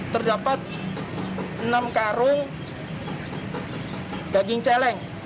terdapat enam karung daging celeng